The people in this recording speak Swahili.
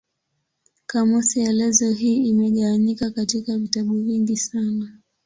Kamusi elezo hii imegawanyika katika vitabu vingi sana.